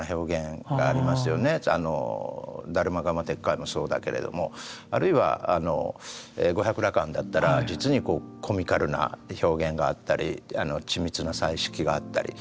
「達磨・蝦蟇鉄拐」もそうだけれどもあるいは「五百羅漢」だったら実にコミカルな表現があったり緻密な彩色があったり。